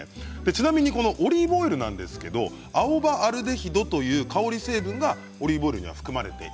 ちなみにこのオリーブオイルなんですけど青葉アルデヒドという香り成分がオリーブオイルには含まれています。